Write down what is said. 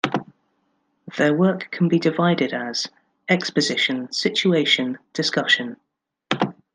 Their work can be divided as: Exposition, Situation, Discussion.